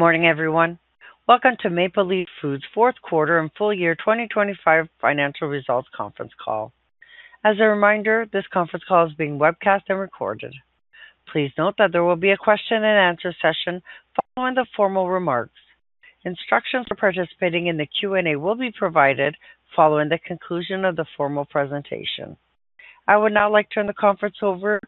Good morning, everyone. Welcome to Maple Leaf Foods' fourth quarter and full-year 2025 financial results conference call. As a reminder, this conference call is being webcast and recorded. Please note that there will be a question and answer session following the formal remarks. Instructions for participating in the Q&A will be provided following the conclusion of the formal presentation. I would now like to turn the conference over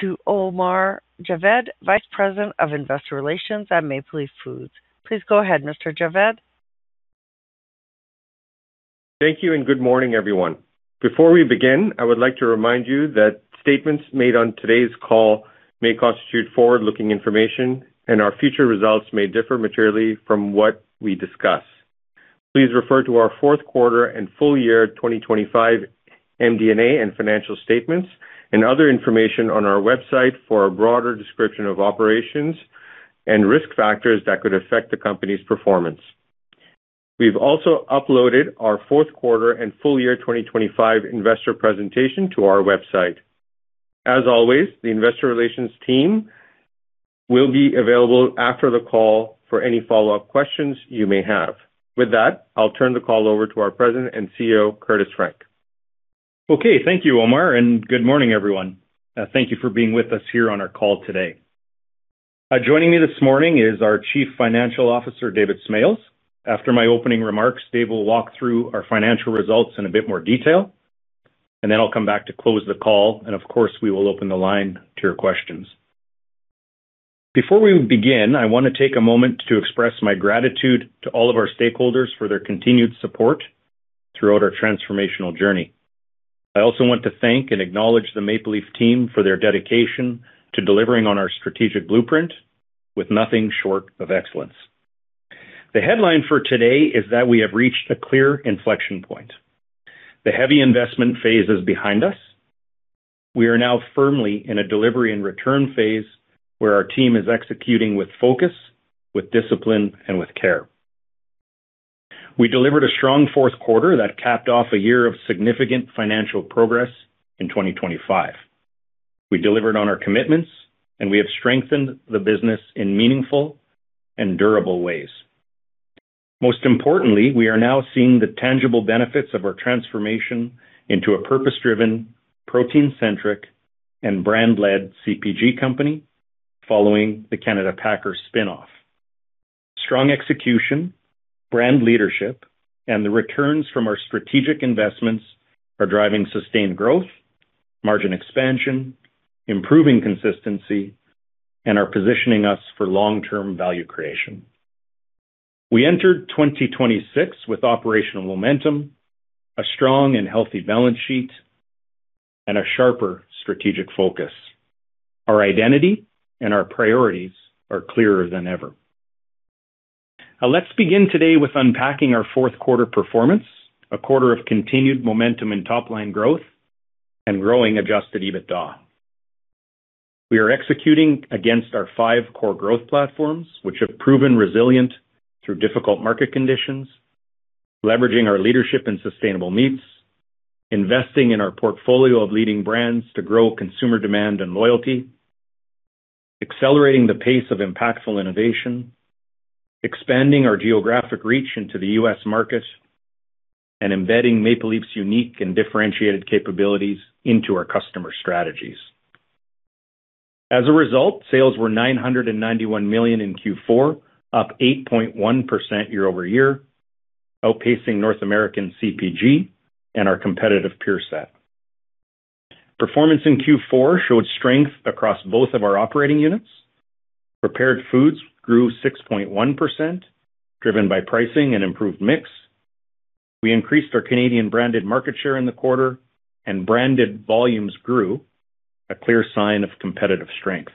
to Omar Javed, Vice President of Investor Relations at Maple Leaf Foods. Please go ahead, Mr. Javed. Thank you and Good morning, everyone. Before we begin, I would like to remind you that statements made on today's call may constitute forward-looking information and our future results may differ materially from what we discuss. Please refer to our fourth quarter and full-year 2025 MD&A and financial statements and other information on our website for a broader description of operations and risk factors that could affect the company's performance. We've also uploaded our fourth quarter and full-year 2025 investor presentation to our website. As always, the investor relations team will be available after the call for any follow-up questions you may have. With that, I'll turn the call over to our President and CEO, Curtis Frank. Okay, Thank you, Omar. Good morning, everyone. Thank you for being with us here on our call today. Joining me this morning is our Chief Financial Officer, David Smales. After my opening remarks, Dave will walk through our financial results in a bit more detail. I'll come back to close the call. Of course, we will open the line to your questions. Before we begin, I wanna take a moment to express my gratitude to all of our stakeholders for their continued support throughout our transformational journey. I also want to thank and acknowledge the Maple Leaf team for their dedication to delivering on our strategic blueprint with nothing short of excellence. The headline for today is that we have reached a clear inflection point. The heavy investment phase is behind us. We are now firmly in a delivery and return phase where our team is executing with focus, with discipline, and with care. We delivered a strong fourth quarter that capped off a year of significant financial progress in 2025. We delivered on our commitments, and we have strengthened the business in meaningful and durable ways. Most importantly, we are now seeing the tangible benefits of our transformation into a purpose-driven, protein-centric, and brand-led CPG company following the Canada Packers spinoff. Strong execution, brand leadership, and the returns from our strategic investments are driving sustained growth, margin expansion, improving consistency, and are positioning us for long-term value creation. We entered 2026 with operational momentum, a strong and healthy balance sheet, and a sharper strategic focus. Our identity and our priorities are clearer than ever. Let's begin today with unpacking our fourth quarter performance, a quarter of continued momentum and top-line growth and growing Adjusted EBITDA. We are executing against our five core growth platforms, which have proven resilient through difficult market conditions, leveraging our leadership in sustainable meats, investing in our portfolio of leading brands to grow consumer demand and loyalty, accelerating the pace of impactful innovation, expanding our geographic reach into the U.S. market, and embedding Maple Leaf's unique and differentiated capabilities into our customer strategies. As a result, sales were 991 million in Q4, up 8.1% year-over-year, outpacing North American CPG and our competitive peer set. Performance in Q4 showed strength across both of our operating units. Prepared foods grew 6.1%, driven by pricing and improved mix. We increased our Canadian branded market share in the quarter, and branded volumes grew, a clear sign of competitive strength.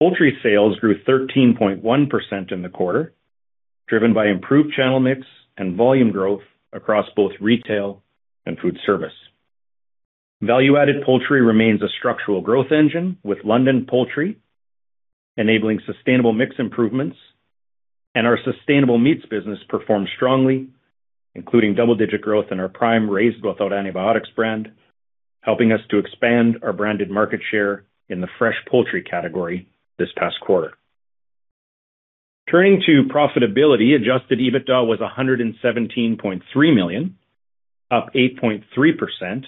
Poultry sales grew 13.1% in the quarter, driven by improved channel mix and volume growth across both retail and food service. Value-added poultry remains a structural growth engine, with London Poultry enabling sustainable mix improvements and our sustainable meats business performed strongly, including double-digit growth in our Prime Raised Without Antibiotics brand, helping us to expand our branded market share in the fresh poultry category this past quarter. Turning to profitability, Adjusted EBITDA was 117.3 million, up 8.3%,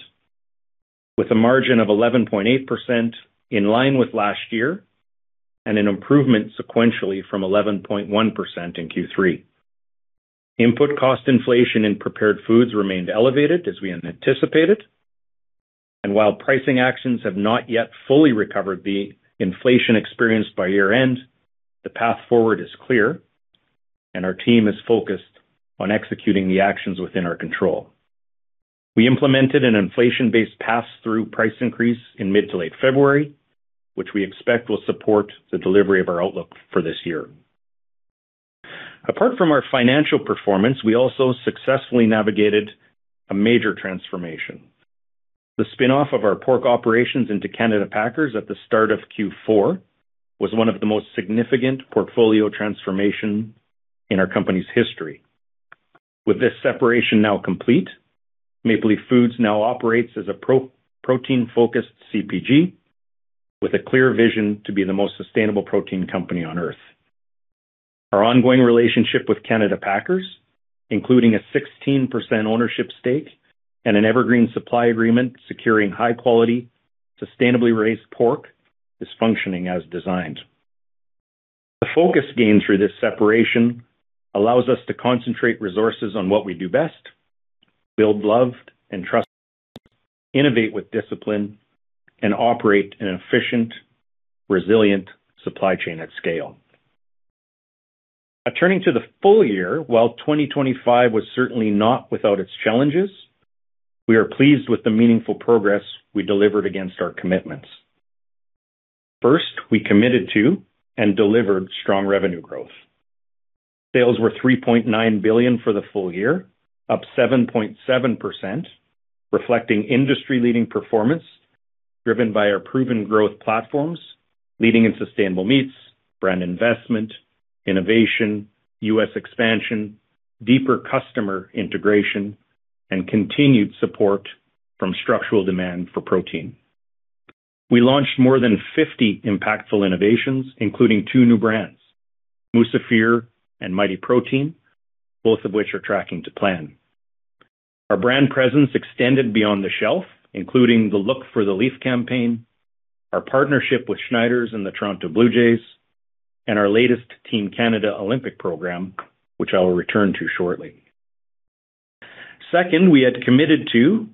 with a margin of 11.8% in line with last year and an improvement sequentially from 11.1% in Q3. Input cost inflation in prepared foods remained elevated as we had anticipated. While pricing actions have not yet fully recovered the inflation experienced by year-end, the path forward is clear and our team is focused on executing the actions within our control. We implemented an inflation-based passthrough price increase in mid to late February, which we expect will support the delivery of our outlook for this year. Apart from our financial performance, we also successfully navigated a major transformation. The spin-off of our pork operations into Canada Packers at the start of Q4 was one of the most significant portfolio transformation in our company's history. With this separation now complete, Maple Leaf Foods now operates as a pro-protein focused CPG with a clear vision to be the most sustainable protein company on Earth. Our ongoing relationship with Canada Packers, including a 16% ownership stake and an evergreen supply agreement securing high quality, sustainably raised pork, is functioning as designed. The focus gained through this separation allows us to concentrate resources on what we do best, build love and trust, innovate with discipline, and operate an efficient, resilient supply chain at scale. Turning to the full-year, while 2025 was certainly not without its challenges, we are pleased with the meaningful progress we delivered against our commitments. First, we committed to and delivered strong revenue growth. Sales were 3.9 billion for the full-year, up 7.7%, reflecting industry-leading performance driven by our proven growth platforms, leading in sustainable meats, brand investment, innovation, U.S. expansion, deeper customer integration, and continued support from structural demand for protein. We launched more than 50 impactful innovations, including two new brands, Musafir and Mighty Protein, both of which are tracking to plan. Our brand presence extended beyond the shelf, including the Look for the Leaf campaign, our partnership with Schneiders and the Toronto Blue Jays, and our latest Team Canada Olympic program, which I will return to shortly. Second, we had committed to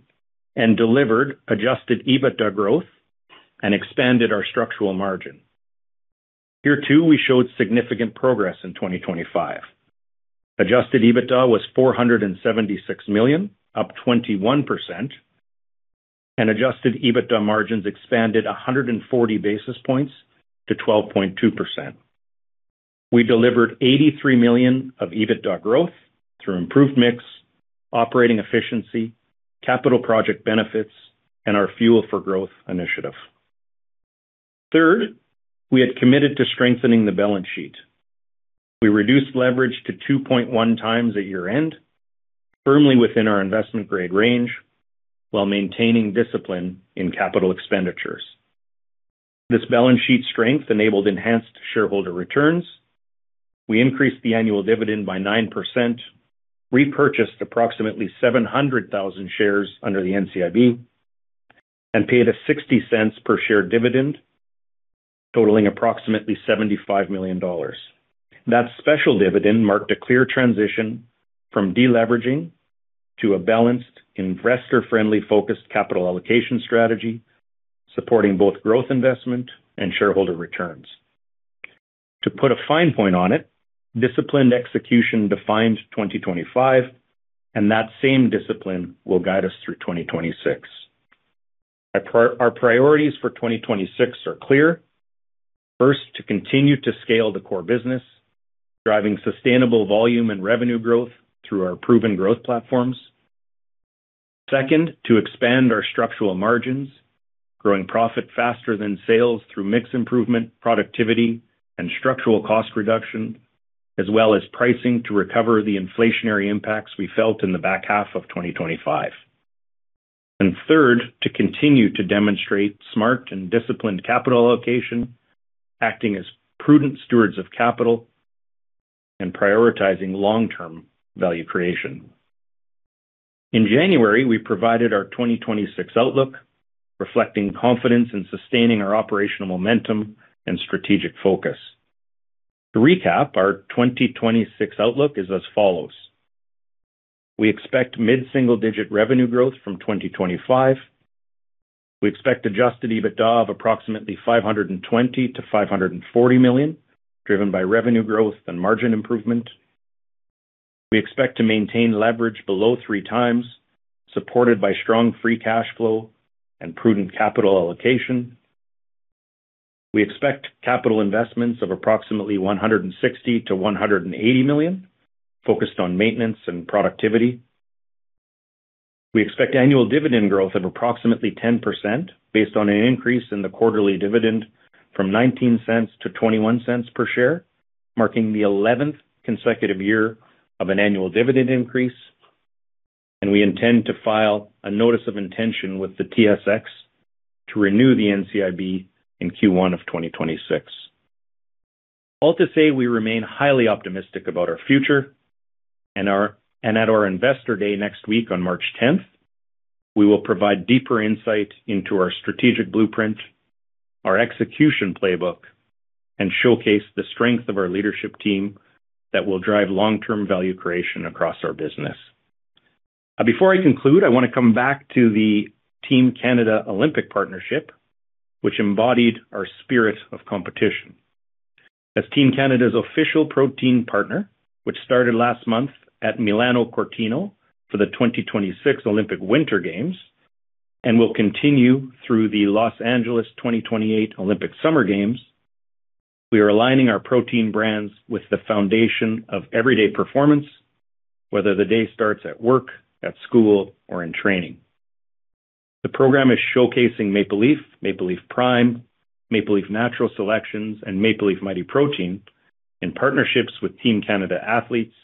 and delivered Adjusted EBITDA growth and expanded our structural margin. Here too, we showed significant progress in 2025. Adjusted EBITDA was 476 million, up 21%, and Adjusted EBITDA margins expanded 140 basis points to 12.2%. We delivered 83 million of EBITDA growth through improved mix, operating efficiency, capital project benefits, and our Fuel for Growth initiative. Third, we had committed to strengthening the balance sheet. We reduced leverage to 2.1x at year-end, firmly within our investment grade range, while maintaining discipline in capital expenditures. This balance sheet strength enabled enhanced shareholder returns. We increased the annual dividend by 9%, repurchased approximately 700,000 shares under the NCIB, and paid a 0.60 per share dividend, totaling approximately 75 million dollars. That special dividend marked a clear transition from deleveraging to a balanced, investor-friendly, focused capital allocation strategy supporting both growth investment and shareholder returns. To put a fine point on it, disciplined execution defined 2025, and that same discipline will guide us through 2026. Our priorities for 2026 are clear. First, to continue to scale the core business, driving sustainable volume and revenue growth through our proven growth platforms. Second, to expand our structural margins, growing profit faster than sales through mix improvement, productivity and structural cost reduction, as well as pricing to recover the inflationary impacts we felt in the back half of 2025. Third, to continue to demonstrate smart and disciplined capital allocation, acting as prudent stewards of capital and prioritizing long-term value creation. In January, we provided our 2026 outlook, reflecting confidence in sustaining our operational momentum and strategic focus. To recap, our 2026 outlook is as follows: We expect mid-single-digit revenue growth from 2025. We expect Adjusted EBITDA of approximately 520 million-540 million, driven by revenue growth and margin improvement. We expect to maintain leverage below 3x, supported by strong free cash flow and prudent capital allocation. We expect capital investments of approximately 160 million-180 million, focused on maintenance and productivity. We expect annual dividend growth of approximately 10% based on an increase in the quarterly dividend from 0.19 to 0.21 per share, marking the 11th consecutive year of an annual dividend increase. We intend to file a notice of intention with the TSX to renew the NCIB in Q1 of 2026. All to say, we remain highly optimistic about our future and at our Investor Day next week on March 10th, we will provide deeper insight into our strategic blueprint, our execution playbook, and showcase the strength of our leadership team that will drive long-term value creation across our business. Now, before I conclude, I want to come back to the Team Canada Olympic partnership, which embodied our spirit of competition. As Team Canada's official protein partner, which started last month at Milano Cortina for the 2026 Olympic Winter Games and will continue through the Los Angeles 2028 Olympic Summer Games, we are aligning our protein brands with the foundation of everyday performance, whether the day starts at work, at school or in training. The program is showcasing Maple Leaf, Maple Leaf Prime, Maple Leaf Natural Selections, and Maple Leaf Mighty Protein in partnerships with Team Canada athletes,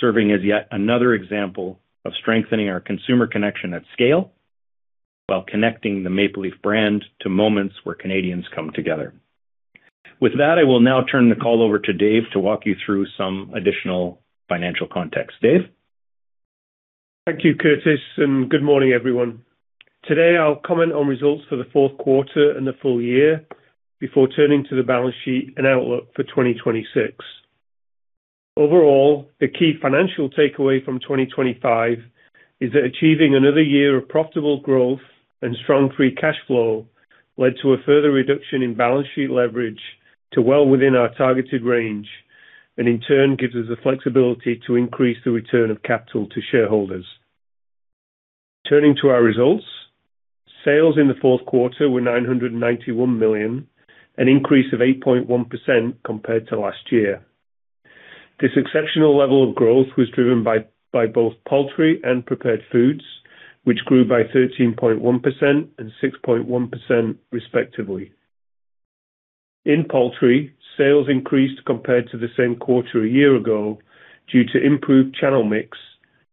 serving as yet another example of strengthening our consumer connection at scale while connecting the Maple Leaf brand to moments where Canadians come together. With that, I will now turn the call over to Dave to walk you through some additional financial context. Dave? Thank you, Curtis, Good morning, everyone. Today, I'll comment on results for the fourth quarter and the full-year before turning to the balance sheet and outlook for 2026. Overall, the key financial takeaway from 2025 is that achieving another year of profitable growth and strong free cash flow led to a further reduction in balance sheet leverage to well within our targeted range and in turn gives us the flexibility to increase the return of capital to shareholders. Turning to our results, sales in the fourth quarter were 991 million, an increase of 8.1% compared to last year. This exceptional level of growth was driven by both poultry and prepared foods, which grew by 13.1% and 6.1% respectively. In poultry, sales increased compared to the same quarter a year ago due to improved channel mix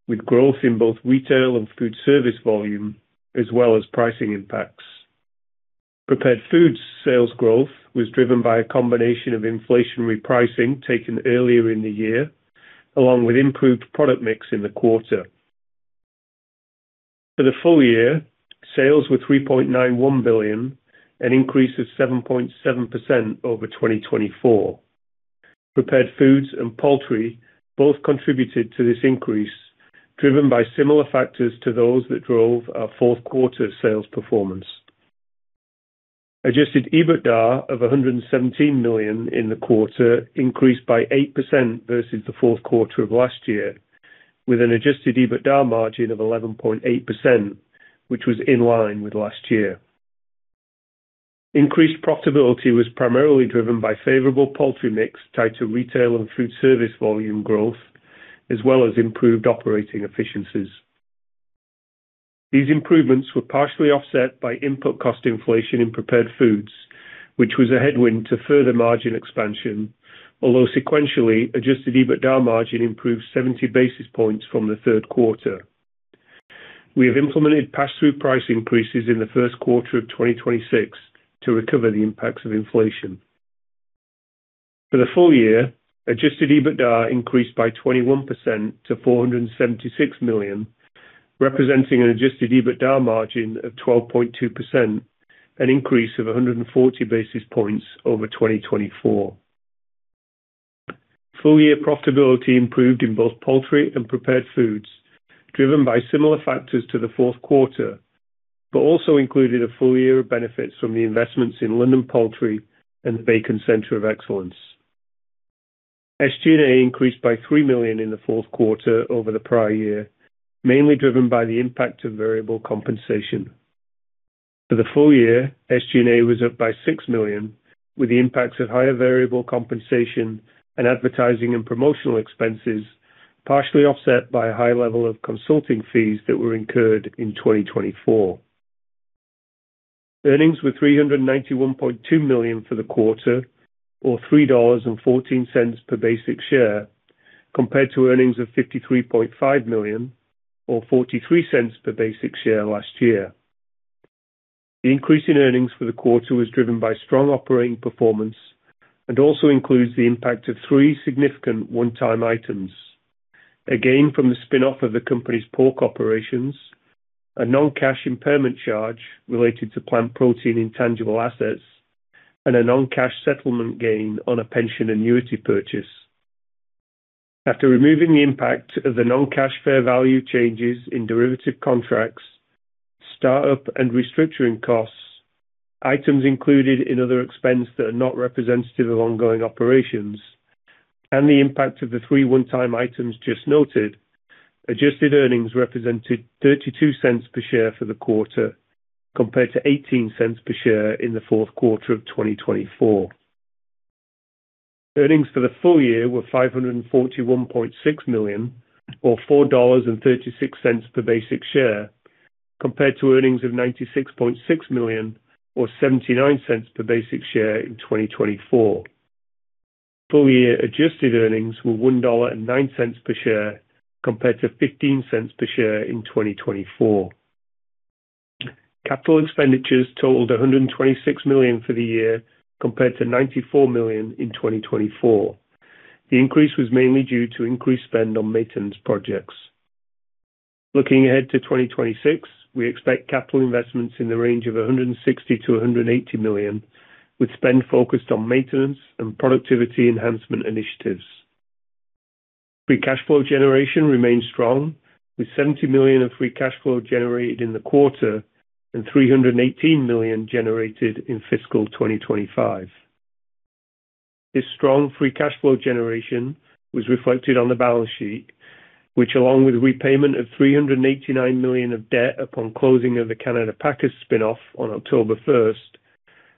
with growth in both retail and food service volume as well as pricing impacts. Prepared foods sales growth was driven by a combination of inflationary pricing taken earlier in the year along with improved product mix in the quarter. For the full-year, sales were $3.91 billion, an increase of 7.7% over 2024. Prepared foods and poultry both contributed to this increase driven by similar factors to those that drove our fourth quarter sales performance. Adjusted EBITDA of $117 million in the quarter increased by 8% versus the fourth quarter of last year with an Adjusted EBITDA margin of 11.8%, which was in line with last year. Increased profitability was primarily driven by favorable poultry mix tied to retail and food service volume growth as well as improved operating efficiencies. These improvements were partially offset by input cost inflation in prepared foods, which was a headwind to further margin expansion. Although sequentially, Adjusted EBITDA margin improved 70 basis points from the third quarter. We have implemented pass-through price increases in the first quarter of 2026 to recover the impacts of inflation. For the full-year, Adjusted EBITDA increased by 21% to 476 million, representing an Adjusted EBITDA margin of 12.2%, an increase of 140 basis points over 2024. Full-year profitability improved in both poultry and prepared foods, driven by similar factors to the fourth quarter, but also included a full-year of benefits from the investments in London Poultry and the Bacon Centre of Excellence. SG&A increased by 3 million in the 4th quarter over the prior year, mainly driven by the impact of variable compensation. For the full-year, SG&A was up by 6 million, with the impacts of higher variable compensation and advertising and promotional expenses partially offset by a high level of consulting fees that were incurred in 2024. Earnings were 391.2 million for the quarter or 3.14 dollars per basic share, compared to earnings of 53.5 million or 0.43 per basic share last year. The increase in earnings for the quarter was driven by strong operating performance and also includes the impact of three significant one-time items. A gain from the spin-off of the company's pork operations, a non-cash impairment charge related to plant protein intangible assets, and a non-cash settlement gain on a pension annuity purchase. After removing the impact of the non-cash fair value changes in derivative contracts, start-up and restructuring costs, items included in other expense that are not representative of ongoing operations, and the impact of the three one-time items just noted, Adjusted earnings represented 0.32 per share for the quarter compared to 0.18 per share in the fourth quarter of 2024. Earnings for the full-year were 541.6 million or 4.36 dollars per basic share, compared to earnings of 96.6 million or 0.79 per basic share in 2024. Full-year Adjusted earnings were 1.09 dollar per share, compared to 0.15 per share in 2024. Capital expenditures totaled 126 million for the year, compared to 94 million in 2024. The increase was mainly due to increased spend on maintenance projects. Looking ahead to 2026, we expect capital investments in the range of 160 million-180 million, with spend focused on maintenance and productivity enhancement initiatives. Free cash flow generation remains strong, with 70 million of free cash flow generated in the quarter and 318 million generated in fiscal 2025. This strong free cash flow generation was reflected on the balance sheet, which along with repayment of 389 million of debt upon closing of the Canada Packers spin-off on October 1st,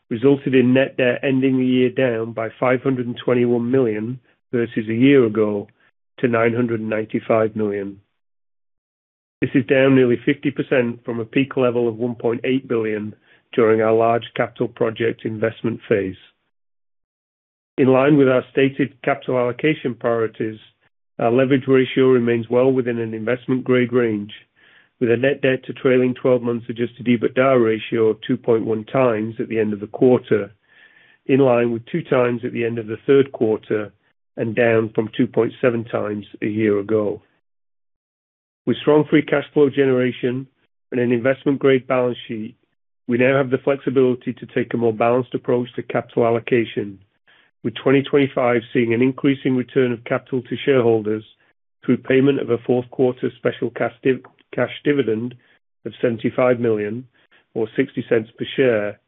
resulted in net debt ending the year down by 521 million versus a year ago to 995 million. This is down nearly 50% from a peak level of 1.8 billion during our large capital project investment phase. In line with our stated capital allocation priorities, our leverage ratio remains well within an investment grade range, with a net debt to trailing 12 months Adjusted EBITDA ratio of 2.1x at the end of the quarter, in line with 2x at the end of the third quarter and down from 2.7x a year ago. With strong free cash flow generation and an investment grade balance sheet, we now have the flexibility to take a more balanced approach to capital allocation, with 2025 seeing an increasing return of capital to shareholders through payment of a fourth quarter special cash dividend of 75 million or 0.60 per share,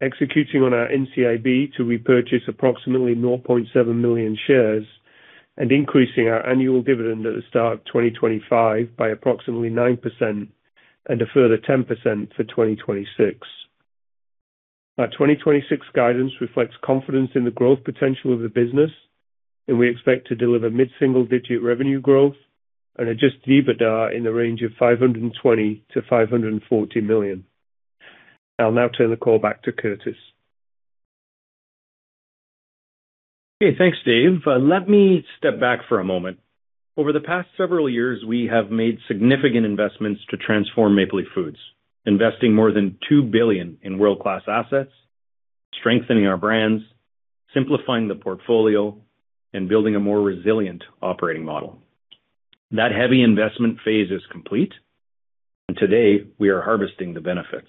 executing on our NCIB to repurchase approximately 0.7 million shares and increasing our annual dividend at the start of 2025 by approximately 9% and a further 10% for 2026. Our 2026 guidance reflects confidence in the growth potential of the business, and we expect to deliver mid-single digit revenue growth and Adjusted EBITDA in the range of 520 million-540 million. I'll now turn the call back to Curtis. Okay, Thanks Dave. Let me step back for a moment. Over the past several years, we have made significant investments to transform Maple Leaf Foods, investing more than 2 billion in world-class assets, strengthening our brands, simplifying the portfolio and building a more resilient operating model. That heavy investment phase is complete and today we are harvesting the benefits.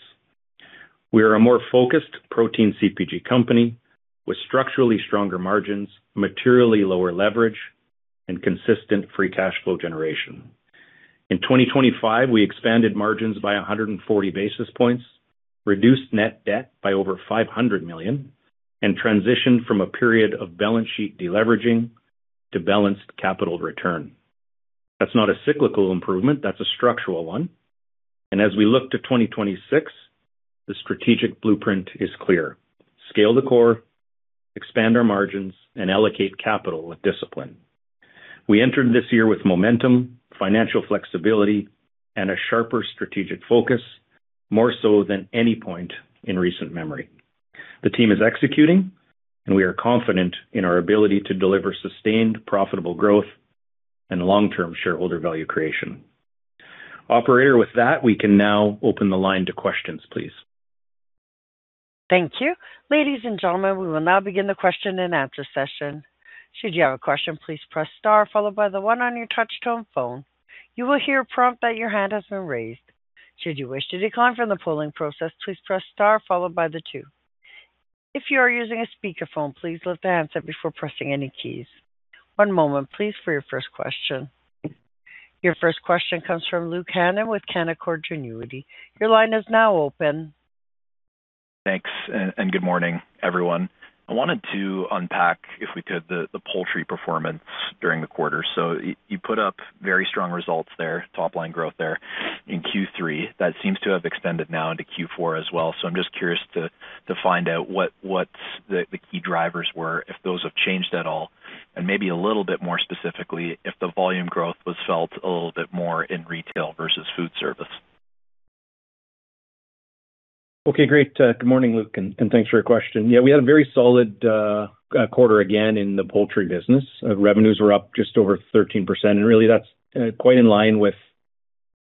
We are a more focused protein CPG company with structurally stronger margins, materially lower leverage and consistent free cash flow generation. In 2025, we expanded margins by 140 basis points, reduced net debt by over 500 million and transitioned from a period of balance sheet deleveraging to balanced capital return. That's not a cyclical improvement, that's a structural one. As we look to 2026, the strategic blueprint is clear. Scale the core, expand our margins and allocate capital with discipline. We entered this year with momentum, financial flexibility and a sharper strategic focus, more so than any point in recent memory. The team is executing and we are confident in our ability to deliver sustained, profitable growth and long-term shareholder value creation. Operator, with that, we can now open the line to questions, please. Thank you. Ladies and gentlemen, we will now begin the question and answer session. Should you have a question, please press star followed by the one on your touch tone phone. You will hear a prompt that your hand has been raised. Should you wish to decline from the polling process, please press star followed by the two. If you are using a speakerphone, please lift the handset before pressing any keys. One moment please for your first question. Your first question comes from Luke Hannan with Canaccord Genuity. Your line is now open. Thanks, Good morning, everyone. I wanted to unpack, if we could, the poultry performance during the quarter. You put up very strong results there, top line growth there in Q3. That seems to have extended now into Q4 as well. I'm just curious to find out what's the key drivers were, if those have changed at all, and maybe a little bit more specifically, if the volume growth was felt a little bit more in retail versus food service? Okay, great. Good morning, Luke, and Thanks for your question. Yeah, we had a very solid quarter again in the poultry business. Revenues were up just over 13%. Really that's quite in line with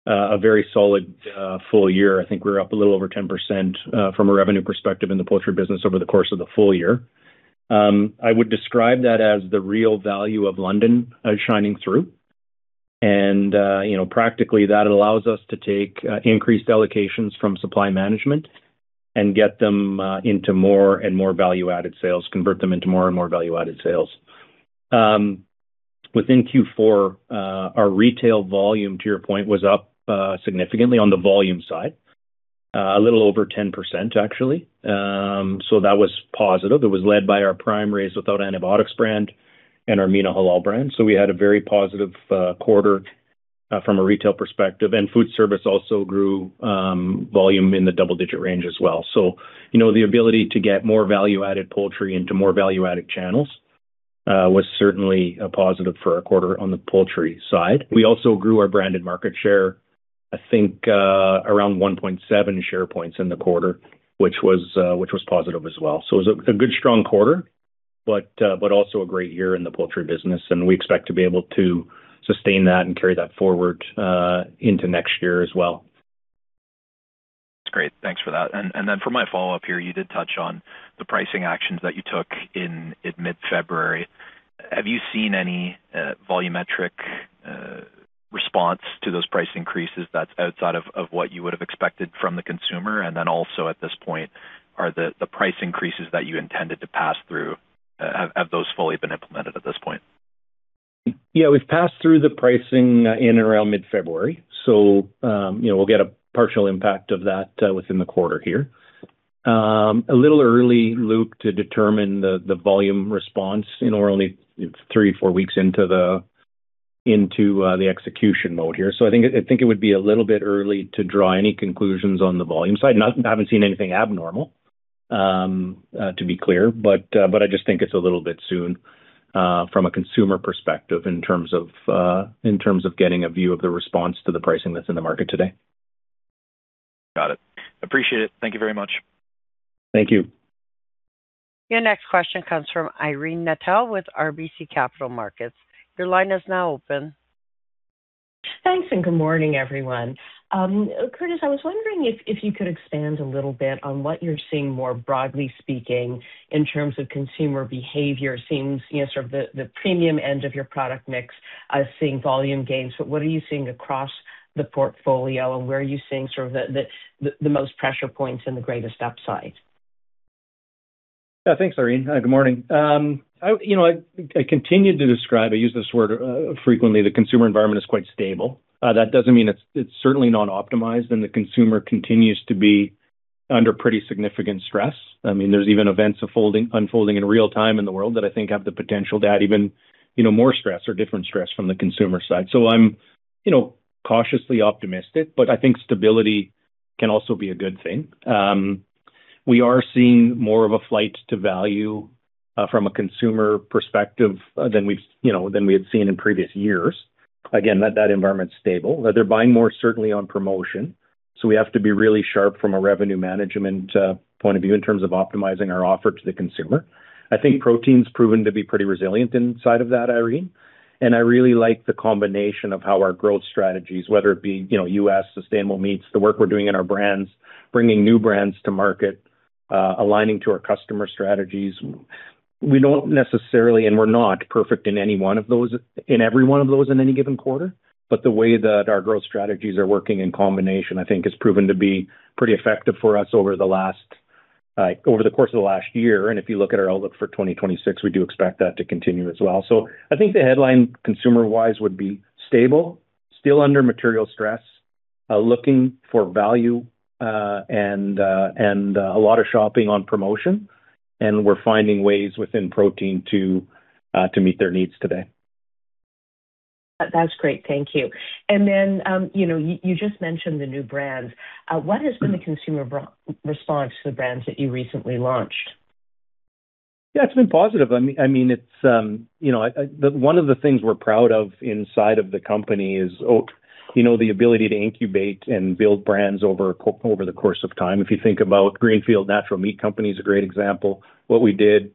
a very solid full-year. I think we're up a little over 10% from a revenue perspective in the poultry business over the course of the full-year. I would describe that as the real value of London shining through. You know, practically, that allows us to take increased allocations from supply management and get them into more and more value-added sales, convert them into more and more value-added sales. Within Q4, our retail volume, to your point, was up significantly on the volume side, a little over 10% actually. That was positive. It was led by our Prime Raised Without Antibiotics brand and our Mina Halal brand. We had a very positive quarter from a retail perspective. Food service also grew volume in the double-digit range as well. You know, the ability to get more value-added poultry into more value-added channels was certainly a positive for our quarter on the poultry side. We also grew our branded market share, I think, around 1.7 share points in the quarter, which was positive as well. It was a good strong quarter, but also a great year in the poultry business, and we expect to be able to sustain that and carry that forward into next year as well. That's great. Thanks for that. Then for my follow-up here, you did touch on the pricing actions that you took in mid-February. Have you seen any volumetric response to those price increases that's outside of what you would have expected from the consumer? Then also at this point, are the price increases that you intended to pass through, have those fully been implemented at this point? We've passed through the pricing in around mid-February. You know, we'll get a partial impact of that within the quarter here. A little early, Luke, to determine the volume response. You know, we're only three or four weeks into the execution mode here. I think it would be a little bit early to draw any conclusions on the volume side. I haven't seen anything abnormal to be clear. But I just think it's a little bit soon from a consumer perspective in terms of getting a view of the response to the pricing that's in the market today. Got it. Appreciate it. Thank you very much. Thank you. Your next question comes from Irene Nattel with RBC Capital Markets. Your line is now open. Thanks. Good morning, everyone. Curtis, I was wondering if you could expand a little bit on what you're seeing, more broadly speaking, in terms of consumer behavior. Seems, you know, sort of the premium end of your product mix, seeing volume gains. What are you seeing across the portfolio, and where are you seeing sort of the most pressure points and the greatest upside? Yeah, Thanks, Irene. Good morning. You know, I continue to describe, I use this word frequently, the consumer environment is quite stable. That doesn't mean it's certainly not optimized. The consumer continues to be under pretty significant stress. I mean, there's even events unfolding in real time in the world that I think have the potential to add even, you know, more stress or different stress from the consumer side. I'm, you know, cautiously optimistic. I think stability can also be a good thing. We are seeing more of a flight to value from a consumer perspective than we've, you know, than we had seen in previous years. Again, that environment's stable. They're buying more certainly on promotion, so we have to be really sharp from a revenue management point of view in terms of optimizing our offer to the consumer. I think protein's proven to be pretty resilient inside of that, Irene. I really like the combination of how our growth strategies, whether it be, you know, U.S. sustainable meats, the work we're doing in our brands, bringing new brands to market, aligning to our customer strategies. We don't necessarily, and we're not perfect in any one of those, in every one of those in any given quarter, but the way that our growth strategies are working in combination, I think has proven to be pretty effective for us over the last, like, over the course of the last year. If you look at our outlook for 2026, we do expect that to continue as well. I think the headline consumer-wise would be stable, still under material stress, looking for value, and a lot of shopping on promotion, and we're finding ways within protein to meet their needs today. That's great. Thank you. You know, you just mentioned the new brands. What has been the consumer re-response to the brands that you recently launched? Yeah, it's been positive. I mean, it's, you know, one of the things we're proud of inside of the company is, you know, the ability to incubate and build brands over the course of time. If you think about Greenfield Natural Meat Co. is a great example. What we did,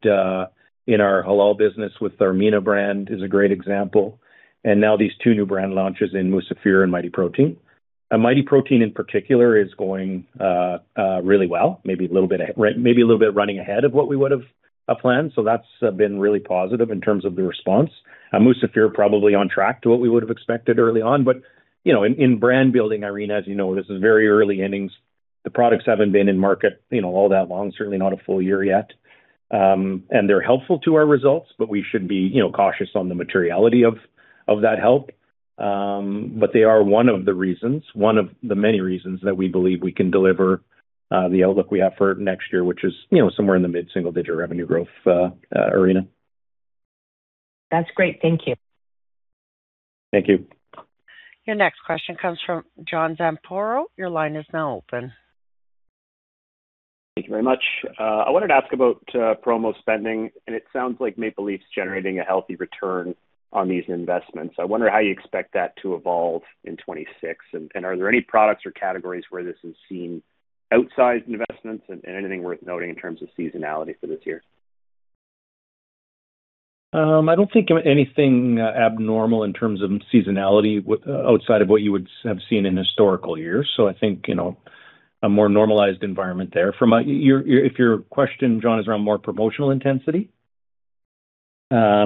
in our Halal business with our Mina brand is a great example. Now these two new brand launches in Musafir and Mighty Protein. Mighty Protein in particular is going really well, maybe a little bit running ahead of what we would have planned. That's been really positive in terms of the response. Musafir probably on track to what we would have expected early on. You know, in brand building, Irene, as you know, this is very early innings. The products haven't been in market, you know, all that long, certainly not a full-year yet. They're helpful to our results, but we should be, you know, cautious on the materiality of that help. They are one of the reasons, one of the many reasons that we believe we can deliver the outlook we have for next year, which is, you know, somewhere in the mid-single-digit revenue growth arena. That's great. Thank you. Thank you. Your next question comes from John Zamparo. Your line is now open. Thank you very much. I wanted to ask about promo spending, and it sounds like Maple Leaf's generating a healthy return on these investments. I wonder how you expect that to evolve in 2026. Are there any products or categories where this is seen outsized investments and anything worth noting in terms of seasonality for this year? I don't think anything abnormal in terms of seasonality outside of what you would have seen in historical years. I think, you know, a more normalized environment there. Your, if your question, John, is around more promotional intensity? Yeah.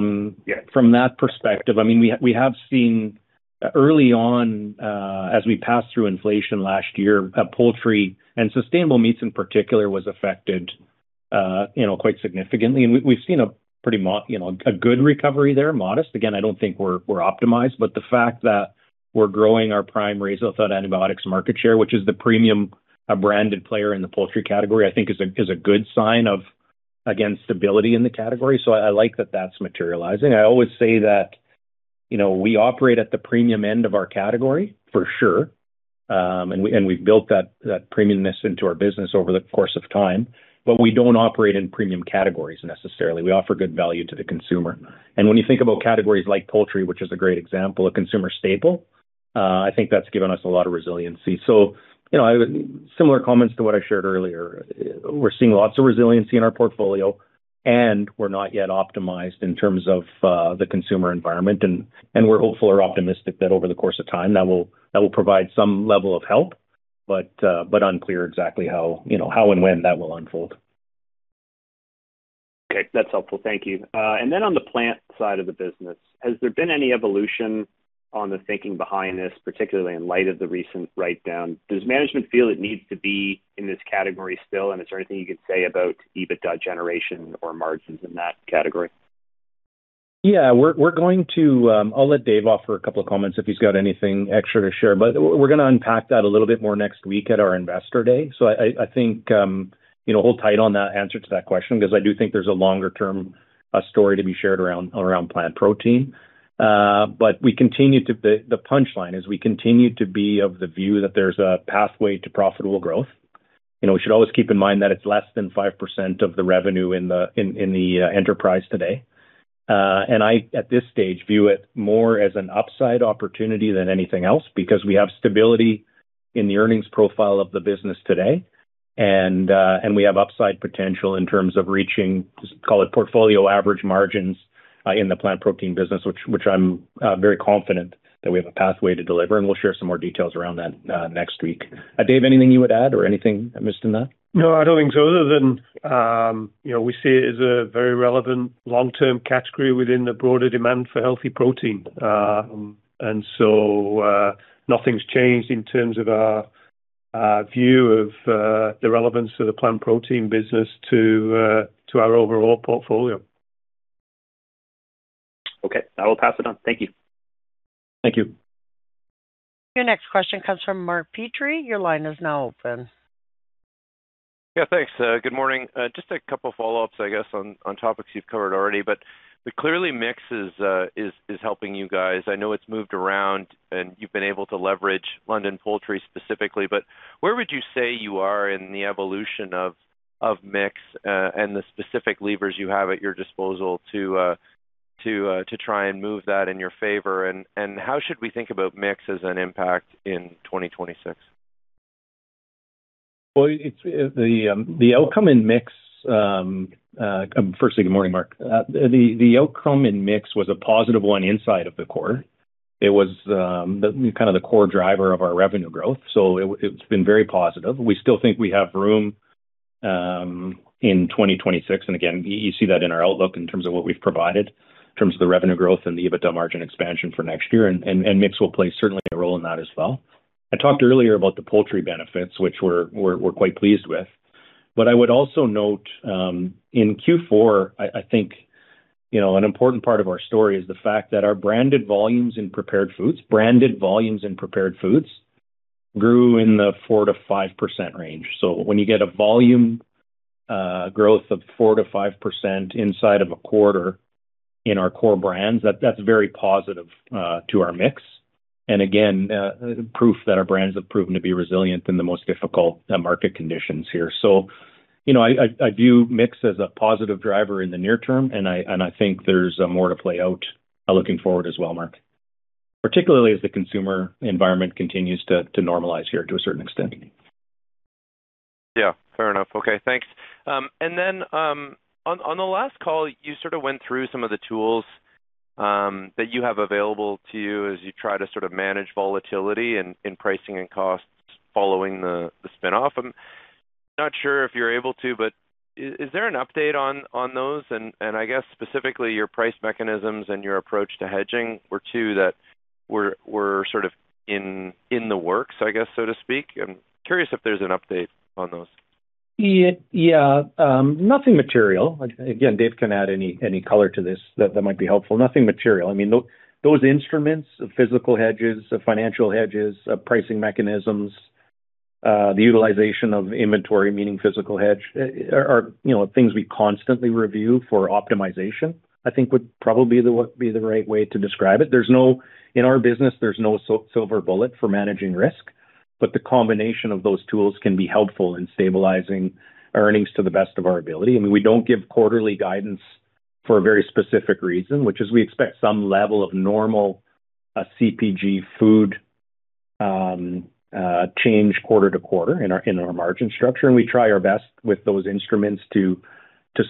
From that perspective, I mean, we have seen early on, as we passed through inflation last year, that poultry and sustainable meats in particular was affected, you know, quite significantly. We've seen a pretty, you know, a good recovery there, modest. Again, I don't think we're optimized, but the fact that we're growing our Prime Raised Without Antibiotics market share, which is the premium, a branded player in the poultry category, I think is a good sign of, again, stability in the category. I like that that's materializing. I always say that, you know, we operate at the premium end of our category, for sure. We've built that premium-ness into our business over the course of time, but we don't operate in premium categories necessarily. We offer good value to the consumer. When you think about categories like poultry, which is a great example, a consumer staple, I think that's given us a lot of resiliency. You know, similar comments to what I shared earlier. We're seeing lots of resiliency in our portfolio, and we're not yet optimized in terms of the consumer environment. We're hopeful or optimistic that over the course of time, that will provide some level of help, but unclear exactly how, you know, how and when that will unfold. Okay. That's helpful. Thank you. Then on the plant side of the business, has there been any evolution on the thinking behind this, particularly in light of the recent write-down? Does management feel it needs to be in this category still? Is there anything you could say about EBITDA generation or margins in that category? Yeah, we're going to I'll let Dave offer a couple of comments if he's got anything extra to share, but we're gonna unpack that a little bit more next week at our investor day. I think, you know, hold tight on that answer to that question because I do think there's a longer-term story to be shared around plant protein. The punchline is we continue to be of the view that there's a pathway to profitable growth. You know, we should always keep in mind that it's less than 5% of the revenue in the enterprise today. I, at this stage, view it more as an upside opportunity than anything else because we have stability in the earnings profile of the business today, and we have upside potential in terms of reaching, just call it portfolio average margins in the plant protein business, which I'm very confident that we have a pathway to deliver, and we'll share some more details around that next week. Dave, anything you would add or anything I missed in that? No, I don't think so other than, you know, we see it as a very relevant long-term category within the broader demand for healthy protein. Nothing's changed in terms of our view of the relevance of the plant protein business to our overall portfolio. Okay. I will pass it on. Thank you. Thank you. Your next question comes from Mark Petrie. Your line is now open. Yeah, Thanks. Good morning. Just a couple follow-ups, I guess, on topics you've covered already, but clearly mix is helping you guys. I know it's moved around and you've been able to leverage London Poultry specifically, but where would you say you are in the evolution of mix and the specific levers you have at your disposal to try and move that in your favor? And how should we think about mix as an impact in 2026? Well, the outcome in mix. Firstly, Good morning, Mark. The outcome in mix was a positive one inside of the core. It was, kind of the core driver of our revenue growth. It's been very positive. We still think we have room in 2026. Again, you see that in our outlook in terms of what we've provided, in terms of the revenue growth and the EBITDA margin expansion for next year. Mix will play certainly a role in that as well. I talked earlier about the poultry benefits, which we're quite pleased with. I would also note, in Q4, I think, you know, an important part of our story is the fact that our branded volumes in prepared foods, branded volumes in prepared foods grew in the 4%-5% range. When you get a volume growth of 4%-5% inside of a quarter in our core brands, that's very positive to our mix. Again, proof that our brands have proven to be resilient in the most difficult market conditions here. You know, I, I view mix as a positive driver in the near term, and I, and I think there's more to play out looking forward as well, Mark. Particularly as the consumer environment continues to normalize here to a certain extent. Yeah, fair enough. Okay, Thanks. Then, on the last call, you sort of went through some of the tools that you have available to you as you try to sort of manage volatility in pricing and costs following the spin-off. I'm not sure if you're able to, but is there an update on those? I guess specifically your price mechanisms and your approach to hedging were two that were sort of in the works, I guess, so to speak. I'm curious if there's an update on those. Yeah. Nothing material. Again, Dave can add any color to this that might be helpful. Nothing material. I mean, those instruments of physical hedges, of financial hedges, of pricing mechanisms, the utilization of inventory, meaning physical hedge, are, you know, things we constantly review for optimization, I think would probably be the right way to describe it. There's no. In our business, there's no silver bullet for managing risk, but the combination of those tools can be helpful in stabilizing earnings to the best of our ability. I mean, we don't give quarterly guidance for a very specific reason, which is we expect some level of normal CPG food change quarter to quarter in our, in our margin structure, and we try our best with those instruments to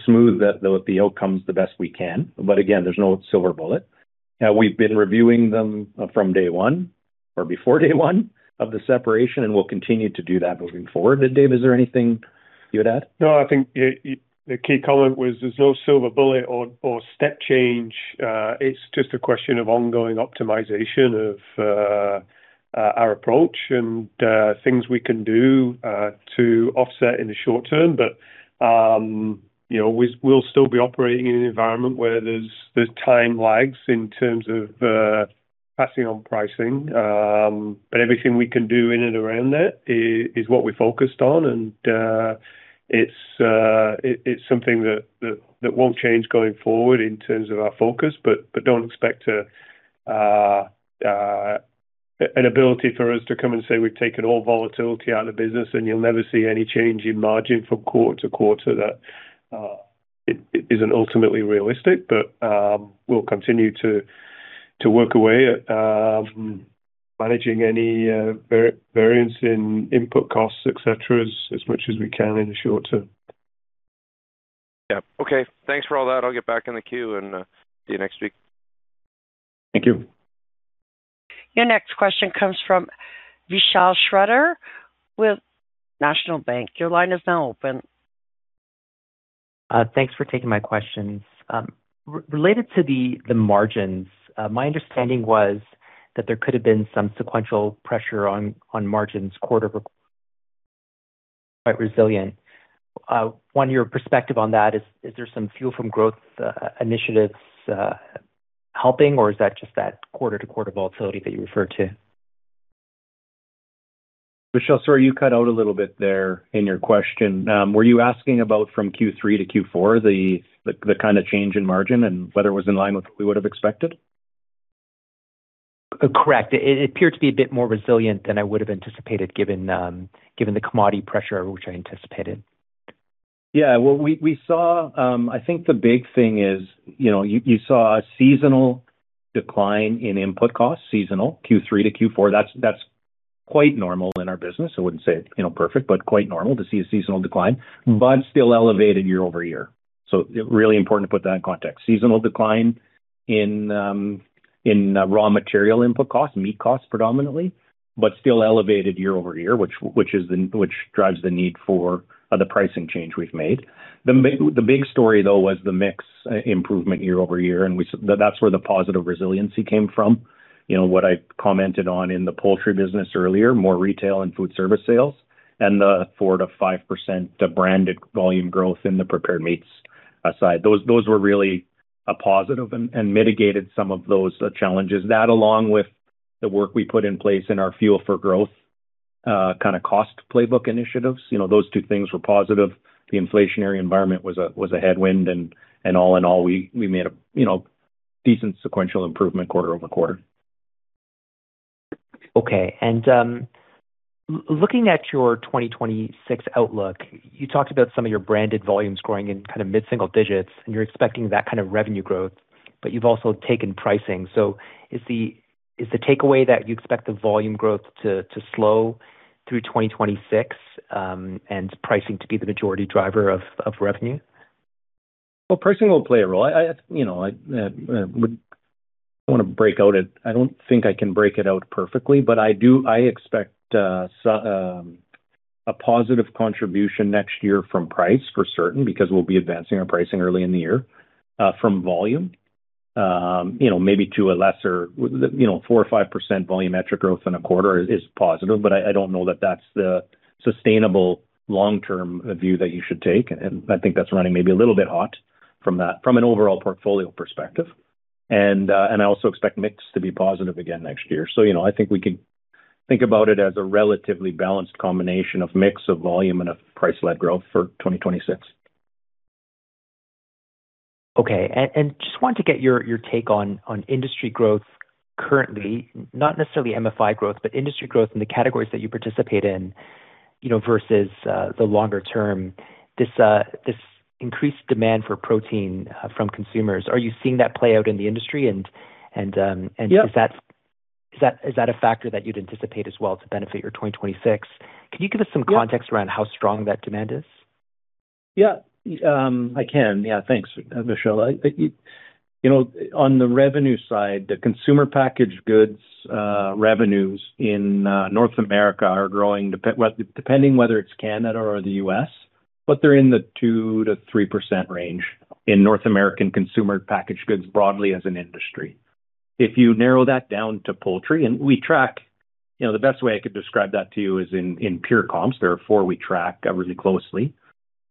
smooth the, the outcomes the best we can. Again, there's no silver bullet. We've been reviewing them from day one or before day one of the separation, and we'll continue to do that moving forward. Dave, is there anything you would add? No, I think the key comment was there's no silver bullet or step change. It's just a question of ongoing optimization of our approach and things we can do to offset in the short term. You know, we'll still be operating in an environment where there's time lags in terms of passing on pricing, but everything we can do in and around that is what we're focused on. It's something that won't change going forward in terms of our focus, but don't expect an ability for us to come and say we've taken all volatility out of business and you'll never see any change in margin from quarter to quarter, that it isn't ultimately realistic. We'll continue to work our way at managing any variance in input costs, et cetera, as much as we can in the short term. Okay. Thanks for all that. I'll get back in the queue and see you next week. Thank you. Your next question comes from Vishal Shreedhar with National Bank. Your line is now open. Thanks for taking my questions. Related to the margins, my understanding was that there could have been some sequential pressure on margins. Quite resilient. Want your perspective on that. Is there some Fuel for Growth initiatives helping or is that just that quarter-to-quarter volatility that you referred to? Vishal, Sorry, you cut out a little bit there in your question. Were you asking about from Q3 to Q4 the kind of change in margin and whether it was in line with what we would have expected? Correct. It appeared to be a bit more resilient than I would have anticipated given the commodity pressure, which I anticipated. Well, we saw, I think the big thing is, you know, you saw a seasonal decline in input costs, seasonal Q3 to Q4. That's, that's quite normal in our business. I wouldn't say, you know, perfect, but quite normal to see a seasonal decline, but still elevated year-over-year. Really important to put that in context. Seasonal decline in raw material input costs, meat costs predominantly, but still elevated year-over-year, which is the which drives the need for the pricing change we've made. The big, the big story though was the mix improvement year-over-year, and That's where the positive resiliency came from. You know what I commented on in the poultry business earlier, more retail and food service sales and the 4%-5%, the branded volume growth in the prepared meats aside. Those were really a positive and mitigated some of those challenges. That, along with the work we put in place in our Fuel for Growth, kind of cost playbook initiatives, you know, those two things were positive. The inflationary environment was a headwind and all in all, we made a, you know, decent sequential improvement quarter-over-quarter. Okay. Looking at your 2026 outlook, you talked about some of your branded volumes growing in kind of mid-single digits, and you're expecting that kind of revenue growth, but you've also taken pricing. Is the takeaway that you expect the volume growth to slow through 2026, and pricing to be the majority driver of revenue? Well, pricing will play a role. You know, I wanna break out it. I don't think I can break it out perfectly, but I expect a positive contribution next year from price for certain because we'll be advancing our pricing early in the year from volume. You know, maybe to a lesser, you know, 4% or 5% volumetric growth in a quarter is positive, but I don't know that that's the sustainable long-term view that you should take. I think that's running maybe a little bit hot from that, from an overall portfolio perspective. I also expect mix to be positive again next year. You know, I think we can think about it as a relatively balanced combination of mix, of volume and of price-led growth for 2026. Just want to get your take on industry growth currently, not necessarily MFI growth, but industry growth in the categories that you participate in, you know, versus the longer term. This increased demand for protein from consumers, are you seeing that play out in the industry and? Yeah. Is that a factor that you'd anticipate as well to benefit your 2026? Yeah. Can you give us some context around how strong that demand is? Yeah. I can. Yeah. Thanks, Vishal. You know, on the revenue side, the consumer packaged goods revenues in North America are growing, well, depending whether it's Canada or the US, but they're in the 2%-3% range in North American consumer packaged goods broadly as an industry. If you narrow that down to poultry, and we track... You know, the best way I could describe that to you is in pure comps. There are four we track really closely. You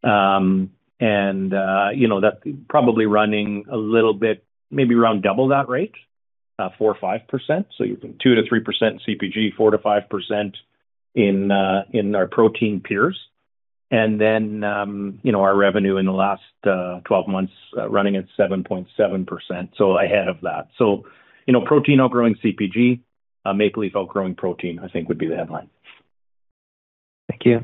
know, that probably running a little bit, maybe around double that rate, 4%-5%. 2%-3% CPG, 4%-5% in our protein peers. You know, our revenue in the last 12 months running at 7.7%, so ahead of that. you know, protein outgrowing CPG, Maple Leaf outgrowing protein, I think would be the headline. Thank you.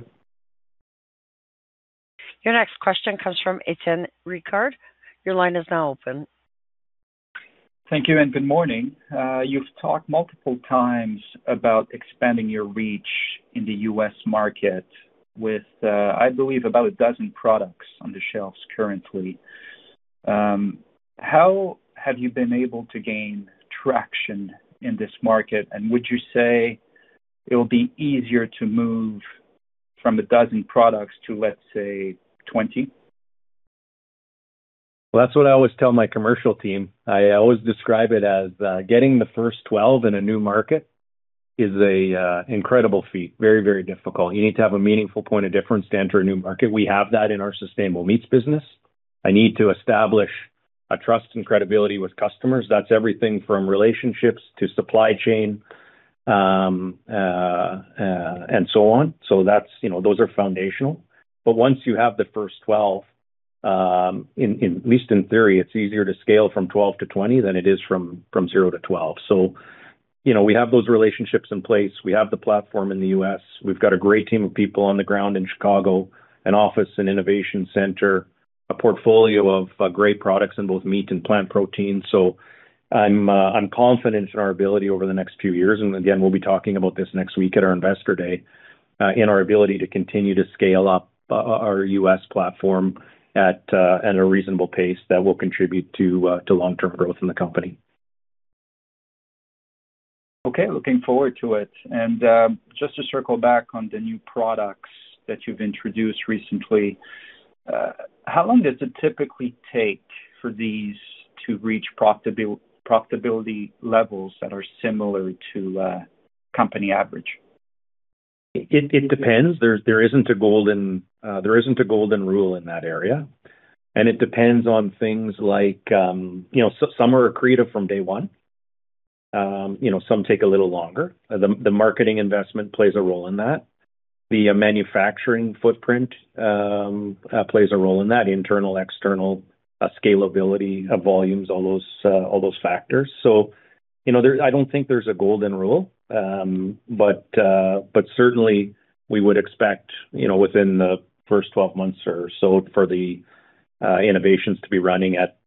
Your next question comes from Etienne Ricard. Your line is now open. Thank you and Good morning. You've talked multiple times about expanding your reach in the US market with, I believe about a dozen products on the shelves currently. How have you been able to gain traction in this market? Would you say it will be easier to move from a dozen products to, let's say, 20? Well, that's what I always tell my commercial team. I always describe it as getting the first 12 in a new market is a incredible feat. Very, very difficult. You need to have a meaningful point of difference to enter a new market. We have that in our sustainable meats business. I need to establish a trust and credibility with customers. That's everything from relationships to supply chain, and so on. That's, you know, those are foundational. Once you have the first 12, in, at least in theory, it's easier to scale from 12 to 20 than it is from 0 to 12. You know, we have those relationships in place. We have the platform in the U.S. We've got a great team of people on the ground in Chicago, an office and innovation center, a portfolio of great products in both meat and plant protein. I'm confident in our ability over the next few years, and again, we'll be talking about this next week at our investor day, in our ability to continue to scale up our U.S. platform at a reasonable pace that will contribute to long-term growth in the company. Okay, looking forward to it. Just to circle back on the new products that you've introduced recently. How long does it typically take for these to reach profitability levels that are similar to company average? It depends. There isn't a golden, there isn't a golden rule in that area, and it depends on things like, you know, some are accretive from day one. You know, some take a little longer. The marketing investment plays a role in that. The manufacturing footprint plays a role in that. Internal, external, scalability of volumes, all those factors. You know, I don't think there's a golden rule. Certainly we would expect, you know, within the first 12 months or so for the innovations to be running at,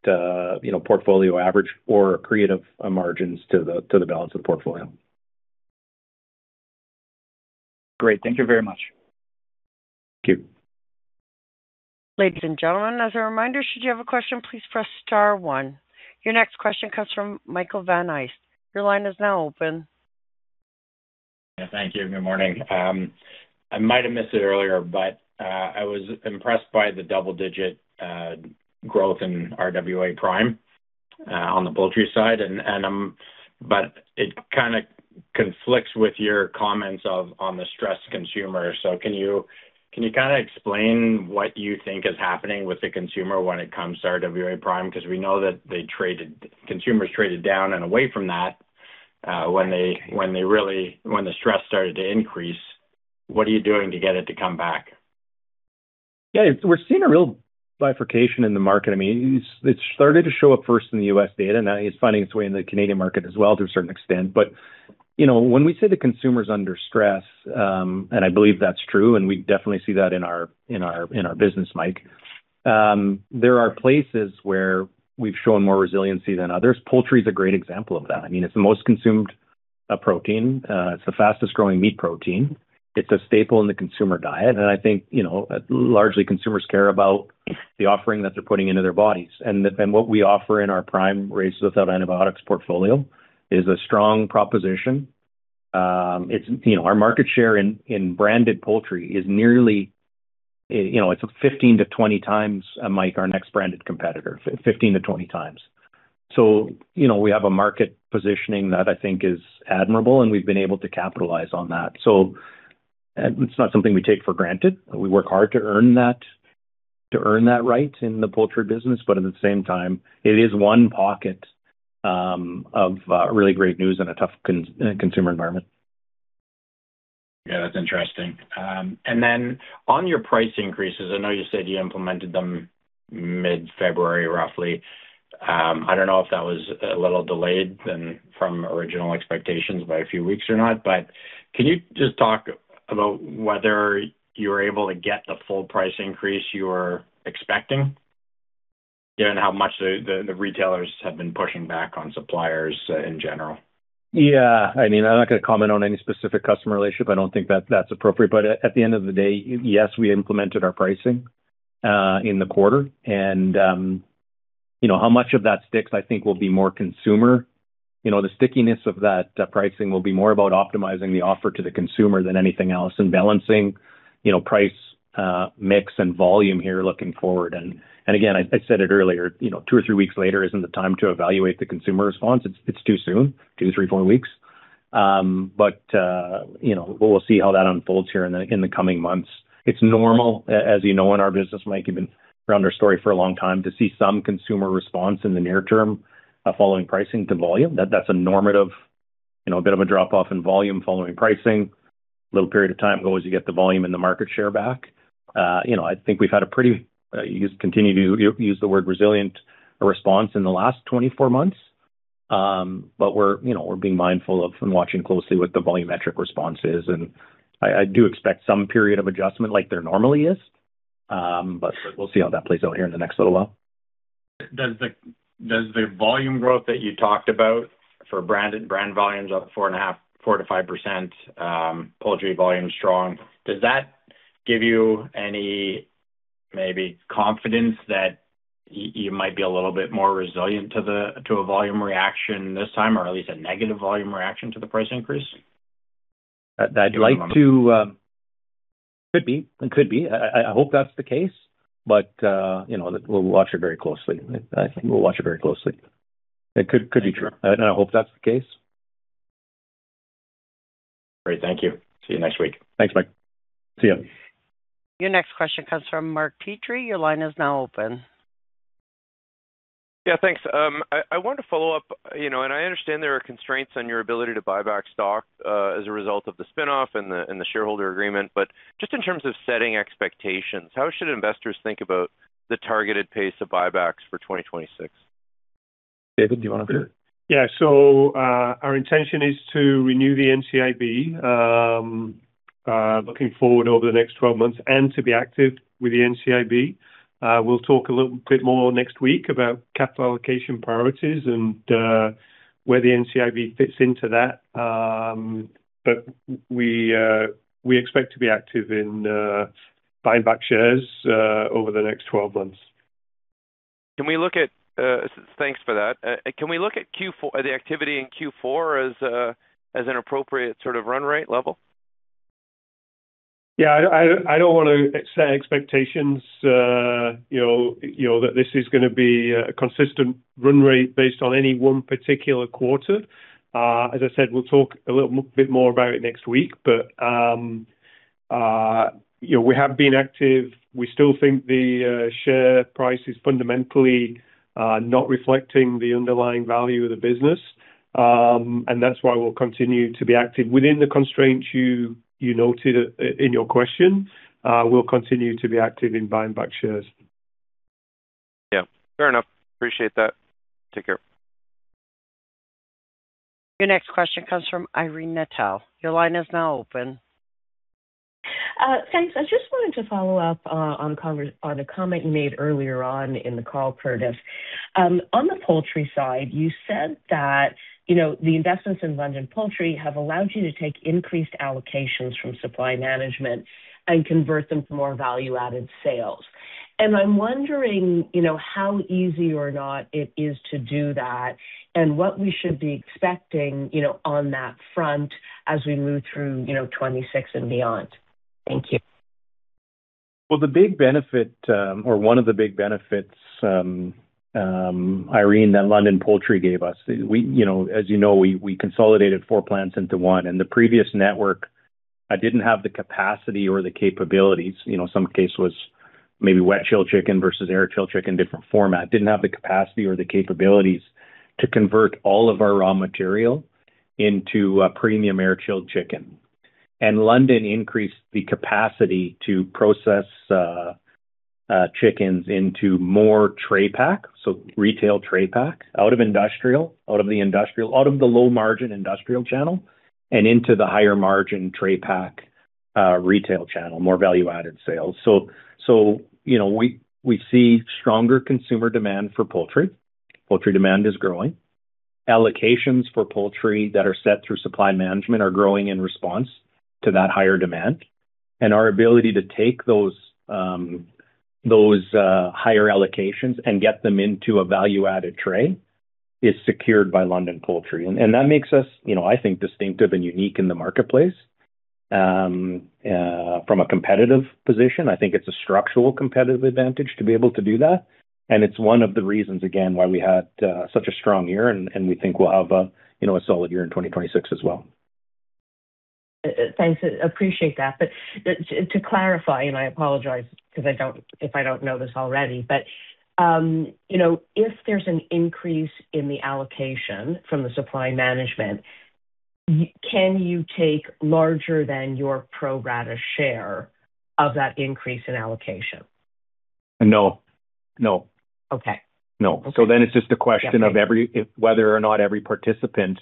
you know, portfolio average or accretive margins to the balance of the portfolio. Great. Thank you very much. Thank you. Ladies and gentlemen, as a reminder, should you have a question, please press star one. Your next question comes from Michael Van Aelst. Your line is now open. Yeah, Thank you. Good morning. I might have missed it earlier, but I was impressed by the double-digit growth in RWA Prime on the poultry side. It kind of conflicts with your comments of, on the stressed consumer. Can you kind of explain what you think is happening with the consumer when it comes to RWA Prime? Because we know that consumers traded down and away from that, when they really when the stress started to increase. What are you doing to get it to come back? Yeah. We're seeing a real bifurcation in the market. I mean, it's, it started to show up first in the US data. Now it's finding its way in the Canadian market as well, to a certain extent. You know, when we say the consumer's under stress, and I believe that's true, and we definitely see that in our business, Mike, there are places where we've shown more resiliency than others. Poultry is a great example of that. I mean, it's the most consumed protein. It's the fastest growing meat protein. It's a staple in the consumer diet. I think, you know, largely consumers care about the offering that they're putting into their bodies. What we offer in our Prime Raised Without Antibiotics portfolio is a strong proposition. It's... You know, our market share in branded poultry is nearly, you know, it's 15x to 20x, Mike, our next branded competitor. 15x to 20x. You know, we have a market positioning that I think is admirable, and we've been able to capitalize on that. It's not something we take for granted. We work hard to earn that, to earn that right in the poultry business, but at the same time, it is one pocket of really great news in a tough consumer environment. Yeah, that's interesting. On your price increases, I know you said you implemented them mid-February, roughly. I don't know if that was a little delayed than from original expectations by a few weeks or not, but can you just talk about whether you were able to get the full price increase you were expecting? Given how much the retailers have been pushing back on suppliers in general. Yeah. I mean, I'm not gonna comment on any specific customer relationship. I don't think that's appropriate. At the end of the day, yes, we implemented our pricing in the quarter and, you know, how much of that sticks I think will be more consumer. You know, the stickiness of that pricing will be more about optimizing the offer to the consumer than anything else and balancing, you know, price, mix and volume here looking forward. Again, I said it earlier, you know, two or three weeks later isn't the time to evaluate the consumer response. It's too soon, two, three, four weeks. You know, we'll see how that unfolds here in the coming months. It's normal, as you know, in our business, Mike, you've been around our story for a long time, to see some consumer response in the near term, following pricing to volume. That's a normative, you know, a bit of a drop off in volume following pricing, a little period of time ago as you get the volume and the market share back. You know, I think we've had a pretty, you continue to use the word resilient response in the last 24 months. We're, you know, we're being mindful of and watching closely what the volumetric response is, and I do expect some period of adjustment like there normally is. We'll see how that plays out here in the next little while. Does the volume growth that you talked about for brand volumes of 4.5%, 4%-5%, poultry volume strong, does that give you any maybe confidence that you might be a little bit more resilient to a volume reaction this time, or at least a negative volume reaction to the price increase? I'd like to. Could be. It could be. I hope that's the case, but, you know, we'll watch it very closely. I think we'll watch it very closely. It could be true, and I hope that's the case. Great. Thank you. See you next week. Thanks, Mike. See ya. Your next question comes from Mark Petrie. Your line is now open. Yeah, thanks. I wanted to follow up, you know, and I understand there are constraints on your ability to buy back stock, as a result of the spin-off and the shareholder agreement, but just in terms of setting expectations, how should investors think about the targeted pace of buybacks for 2026? David, do you want. Yeah. Our intention is to renew the NCIB, looking forward over the next 12 months and to be active with the NCIB. We'll talk a little bit more next week about capital allocation priorities and where the NCIB fits into that. We expect to be active in buying back shares over the next 12 months. Thanks for that. Can we look at the activity in Q4 as an appropriate sort of run rate level? I don't wanna set expectations, you know, that this is gonna be a consistent run rate based on any one particular quarter. As I said, we'll talk a little bit more about it next week. you know, we have been active. We still think the share price is fundamentally not reflecting the underlying value of the business. That's why we'll continue to be active within the constraints you noted in your question. We'll continue to be active in buying back shares. Yeah, fair enough. Appreciate that. Take care. Your next question comes from Irene Nattel. Your line is now open. Thanks. I just wanted to follow up on a comment you made earlier on in the call, Curtis. On the poultry side, you said that, you know, the investments in London Poultry have allowed you to take increased allocations from supply management and convert them to more value-added sales. I'm wondering, you know, how easy or not it is to do that and what we should be expecting, you know, on that front as we move through, you know, 2026 and beyond. Thank you. Well, the big benefit, or one of the big benefits, Irene, that London Poultry gave us, you know, as you know, we consolidated 4 plants into 1. The previous network, I didn't have the capacity or the capabilities. You know, some case was maybe wet chilled chicken versus air chilled chicken, different format. Didn't have the capacity or the capabilities to convert all of our raw material into premium air chilled chicken. London increased the capacity to process chickens into more tray pack, so retail tray pack, out of industrial, out of the low margin industrial channel and into the higher margin tray pack, retail channel, more value-added sales. You know, we see stronger consumer demand for poultry. Poultry demand is growing. Allocations for poultry that are set through supply management are growing in response to that higher demand. Our ability to take those higher allocations and get them into a value-added tray is secured by London Poultry. That makes us, you know, I think, distinctive and unique in the marketplace. From a competitive position, I think it's a structural competitive advantage to be able to do that, and it's one of the reasons, again, why we had such a strong year, and we think we'll have, you know, a solid year in 2026 as well. Thanks. Appreciate that. To clarify, I apologize because I don't know this already, but, you know, if there's an increase in the allocation from the supply management, can you take larger than your pro rata share of that increase in allocation? No. No. Okay. No. Okay. It's just a question of if whether or not every participant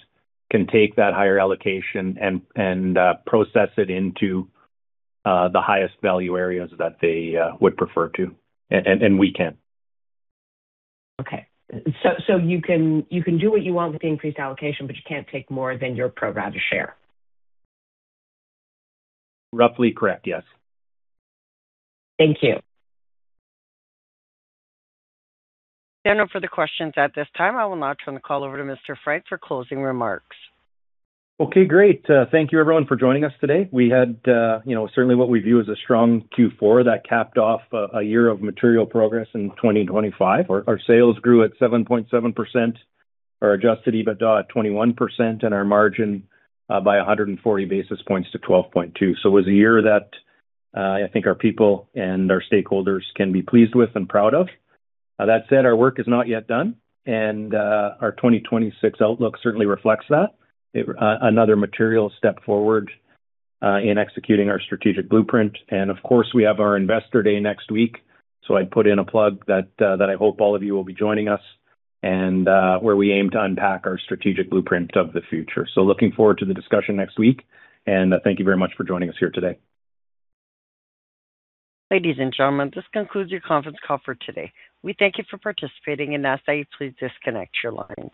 can take that higher allocation and process it into the highest value areas that they would prefer to. We can. Okay. You can do what you want with the increased allocation, but you can't take more than your pro rata share. Roughly correct, yes. Thank you. There are no further questions at this time. I will now turn the call over to Curtis Frank for closing remarks. Okay, great. Thank you everyone for joining us today. We had, you know, certainly what we view as a strong Q4 that capped off a year of material progress in 2025. Our sales grew at 7.7%, our Adjusted EBITDA at 21% and our margin by 140 basis points to 12.2%. It was a year that I think our people and our stakeholders can be pleased with and proud of. That said, our work is not yet done, and our 2026 outlook certainly reflects that. Another material step forward in executing our strategic blueprint. Of course, we have our investor day next week. I'd put in a plug that I hope all of you will be joining us and where we aim to unpack our strategic blueprint of the future. Looking forward to the discussion next week, and thank you very much for joining us here today. Ladies and gentlemen, this concludes your conference call for today. We thank you for participating and ask that you please disconnect your lines.